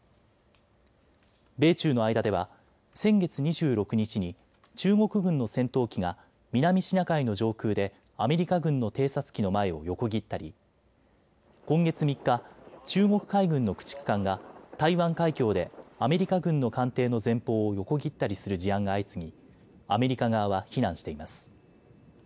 米中の間では先月２６日に中国軍の戦闘機が南シナ海の上空でアメリカ軍の偵察機の前を横切ったり今月３日、中国海軍の駆逐艦が台湾海峡でアメリカ軍の艦艇の前方を横切ったりする事案が相次ぎアメリカ側は非難しています。